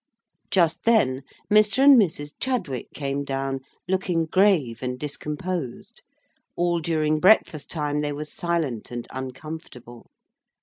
Just then Mr. and Mrs. Chadwick came down, looking grave and discomposed. All during breakfast time they were silent and uncomfortable.